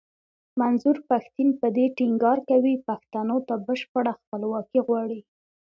منظور پښتين په دې ټينګار کوي پښتنو ته بشپړه خپلواکي غواړي.